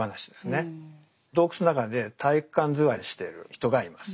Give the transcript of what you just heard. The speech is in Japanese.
洞窟の中で体育館座りしている人がいます。